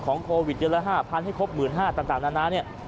ของโควิดเยอะละ๕พันให้ครบ๑๕๐๐๐ต่างนานเนี่ย